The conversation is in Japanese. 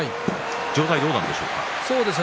状態はどうなんでしょうか。